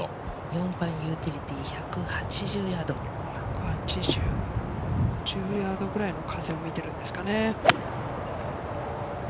４番ユーティリティー、１０ヤードくらいの風を見てるんですかね。